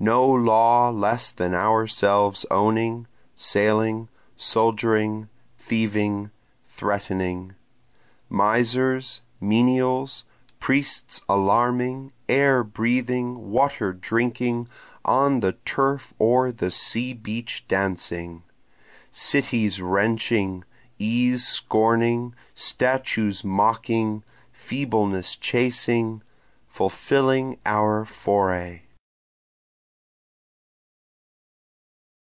No law less than ourselves owning, sailing, soldiering, thieving, threatening, Misers, menials, priests alarming, air breathing, water drinking, on the turf or the sea beach dancing, Cities wrenching, ease scorning, statutes mocking, feebleness chasing, Fulfilling our foray.